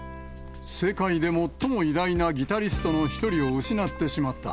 世界で最も偉大なギタリストの一人を失ってしまった。